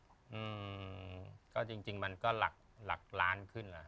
อืมก็จริงมันก็หลักล้านขึ้น